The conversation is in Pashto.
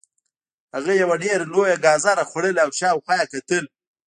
هغه یوه ډیره لویه ګازره خوړله او شاوخوا یې کتل